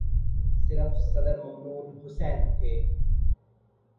صرف صدر ممنون حسین تھے۔